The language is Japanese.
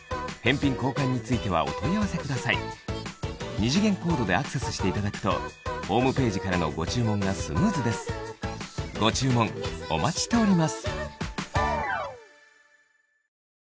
二次元コードでアクセスしていただくとホームページからのご注文がスムーズですご注文お待ちしております